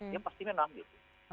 ia pasti menang